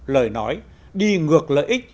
lời nói đi ngược lợi ích